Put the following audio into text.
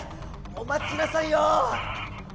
おまちなさいよ！